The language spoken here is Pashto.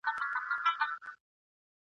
پر ماشوم زړه به مي خوږه لکه کیسه لګېږې ..